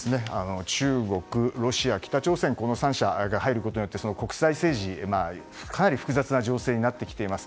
中国、ロシア、北朝鮮この３者が入ることによって国際政治、かなり複雑な情勢になってきています。